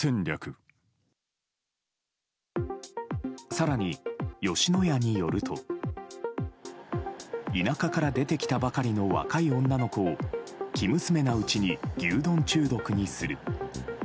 更に、吉野家によると田舎から出てきたばかりの若い女の子を生娘なうちに牛丼中毒にする。